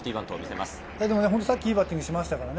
さっきいいバッティングをしましたからね。